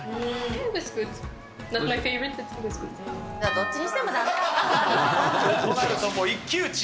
どっちにしてもだめだったんとなるともう一騎打ち。